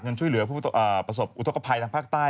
ช่วยเหลือผู้ประสบอุทธกภัยทางภาคใต้